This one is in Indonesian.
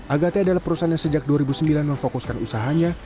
agate adalah perusahaan yang sejak dua ribu sembilan memfokuskan usahanya